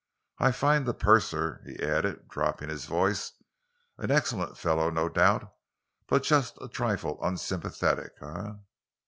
I find the purser," he added, dropping his voice, "an excellent fellow, no doubt, but just a trifle unsympathetic, eh?"